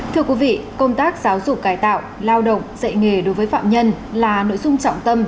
thưa quý vị công tác giáo dục cải tạo lao động dạy nghề đối với phạm nhân là nội dung trọng tâm